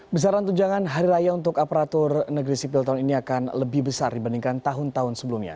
besaran tunjangan hari raya untuk aparatur negeri sipil tahun ini akan lebih besar dibandingkan tahun tahun sebelumnya